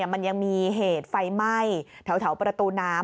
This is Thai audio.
มันยังมีเหตุไฟไหม้แถวประตูน้ำ